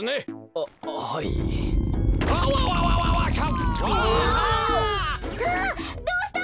あっどうしたの？